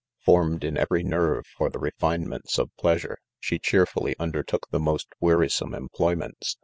Formed in every nerve for the refinements of pleasure, she cheerfully undertook the most wearisome employments